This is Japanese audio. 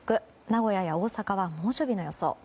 名古屋や大阪は猛暑日の予想。